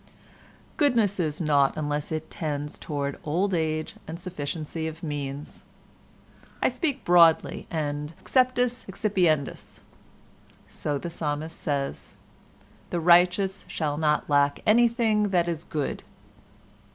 Goodness is naught unless it tends towards old age and sufficiency of means. I speak broadly and exceptis excipiendis. So the psalmist says, "The righteous shall not lack anything that is good."